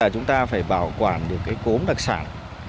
chúng ta phải bảo quản được cái cốm đặc sản